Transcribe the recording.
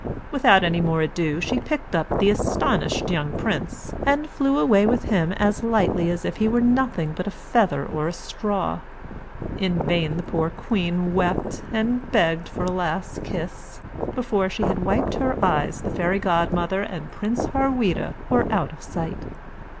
Without any more ado she picked up the astonished young prince and flew away with him as lightly as if he were nothing but a feather or a straw. In vain the poor queen wept and begged for a last kiss. Before she had wiped her eyes, the fairy godmother and Prince Harweda were out of sight.